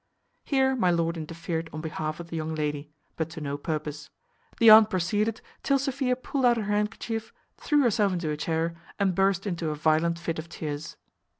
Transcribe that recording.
Here my lord interfered on behalf of the young lady, but to no purpose; the aunt proceeded till Sophia pulled out her handkerchief, threw herself into a chair, and burst into a violent fit of tears.